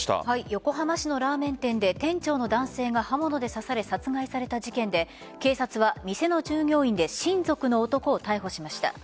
横浜市のラーメン店で店長の男性が刃物で刺され殺害された事件で警察は、店の従業員で親族の男を逮捕しました。